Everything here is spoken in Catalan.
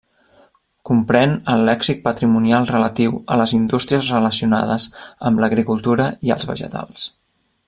Comprèn el lèxic patrimonial relatiu a les indústries relacionades amb l'agricultura i als vegetals.